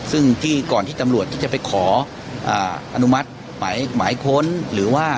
ซึ่งที่ก่อนที่ตำรวจที่จะไปขออนุมัติหมายค้นหรือว่า